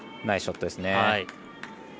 ナイスショットですね。